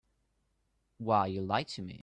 Why, you lied to me.